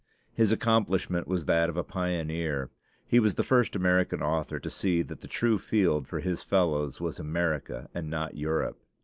His accomplishment was that of a pioneer. He was the first American author to see that the true field for his fellows was America and not Europe.